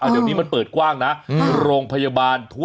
เดี๋ยวนี้มันเปิดกว้างนะ